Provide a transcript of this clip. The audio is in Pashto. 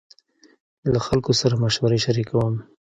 له خلکو سره مشورې شريکوم.